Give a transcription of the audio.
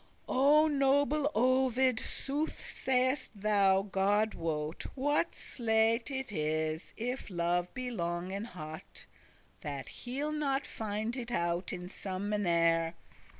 O noble Ovid, sooth say'st thou, God wot, What sleight is it, if love be long and hot, That he'll not find it out in some mannere?